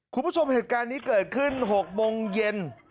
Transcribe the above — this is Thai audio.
คุณผู้ชมเหตุการณ์นี้เกิดขึ้น๖โมงเย็น